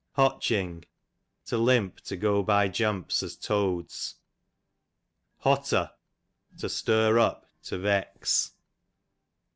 notching, to limp, to go by jumps, as toads. Hotter, to stir up, to vex.